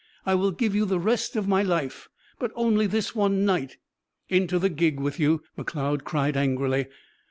I will give you the rest of my life; but only this one night " "Into the gig with you!" Macleod cried, angrily.